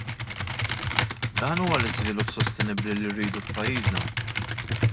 Dan huwa l-iżvilupp sostenibbli li rridu f'pajjiżna?